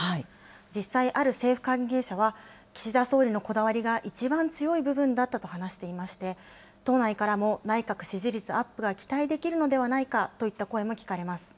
実際ある政府関係者は、岸田総理のこだわりが一番強い部分だったと話していまして、党内からも内閣支持率アップが期待できるのではないかといった声も聞かれます。